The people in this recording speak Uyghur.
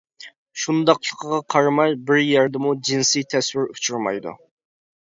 شۇنداقلىقىغا قارىماي بىر يەردىمۇ جىنسىي تەسۋىر ئۇچرىمايدۇ.